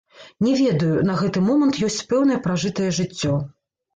Не ведаю, на гэты момант ёсць пэўнае пражытае жыццё.